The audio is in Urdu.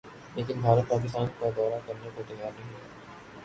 لیکن بھارت پاکستان کا دورہ کرنے کو تیار نہیں